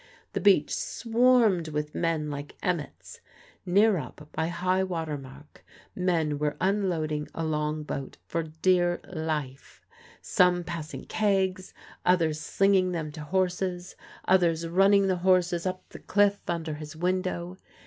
The beach swarmed with men like emmets. Near up, by high water mark, men were unloading a long boat for dear life some passing kegs, others slinging them to horses, others running the horses up the cliff under his window.